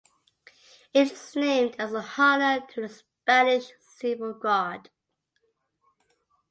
It is named as an honour to the Spanish Civil Guard.